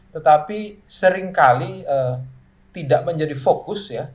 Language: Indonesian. tetapi seringkali tidak menjadi fokus ya